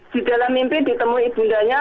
di dalam mimpi ditemui ibundanya